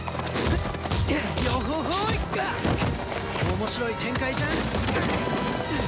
面白い展開じゃん。